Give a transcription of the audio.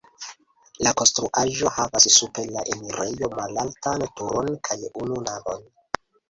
La konstruaĵo havas super la enirejo malaltan turon kaj unu navon.